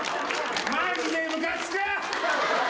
マジでムカつく！